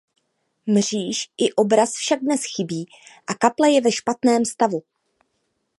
Mříž i obraz však dnes chybí a kaple je ve špatném stavu.